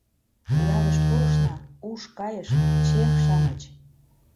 Ялыш пурышна — уш кайыш: чех-шамыч!